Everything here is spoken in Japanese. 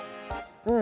うん。